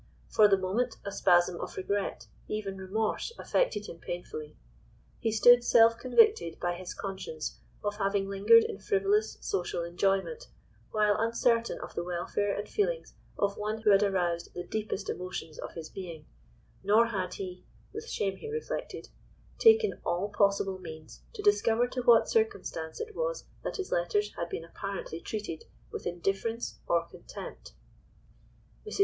For the moment, a spasm of regret, even remorse affected him painfully. He stood self convicted by his conscience of having lingered in frivolous, social enjoyment, while uncertain of the welfare and feelings of one who had aroused the deepest emotions of his being, nor had he (with shame he reflected) taken all possible means to discover to what circumstance it was that his letters had been apparently treated with indifference or contempt. Mrs.